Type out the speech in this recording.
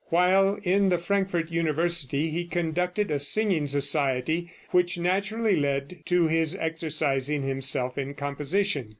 While in the Frankfort University he conducted a singing society, which naturally led to his exercising himself in composition.